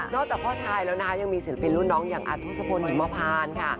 จากพ่อชายแล้วนะคะยังมีศิลปินรุ่นน้องอย่างอาทศพลหิมพานค่ะ